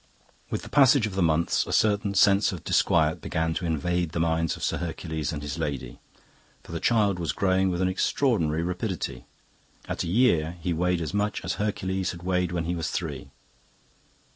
"With the passage of the months a certain sense of disquiet began to invade the minds of Sir Hercules and his lady. For the child was growing with an extraordinary rapidity. At a year he weighed as much as Hercules had weighed when he was three.